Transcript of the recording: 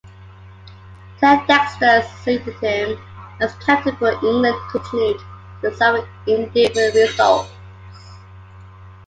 Ted Dexter succeeded him as captain but England continued to suffer indifferent results.